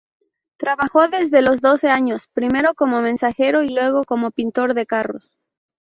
Trabajó desde los doce años, primero como mensajero y luego como pintor de carros.